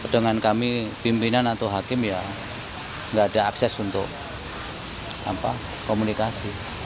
dengan kami pimpinan atau hakim ya nggak ada akses untuk komunikasi